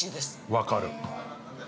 ◆分かる。